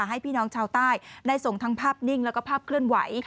ให้พี่น้องชาวใต้ได้ส่งทั้งภาพนิ่งแล้วก็ภาพเคลื่อนไหว